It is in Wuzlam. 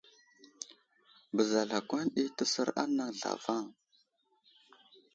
Beza lakwan ɗi təsər anaŋ zlavaŋ.